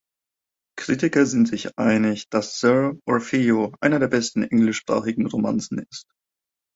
Kritiker sind sich einig, dass "Sir Orfeo" eine der besten englischsprachigen Romanzen ist.